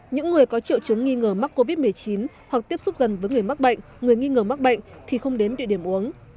những người có triệu chứng nghi ngờ mắc covid một mươi chín hoặc tiếp xúc gần với người mắc bệnh người nghi ngờ mắc bệnh thì không đến địa điểm uống